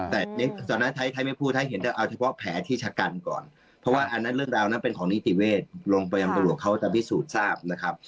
แต่ตอนนั้นไทยไม่พูดมีแผลที่ชะการก่อนเรื่องดัวเนอะนั้นของนิติเวทลง๑๙๙๖เขาจะวิสูจน์ทราบนะครับ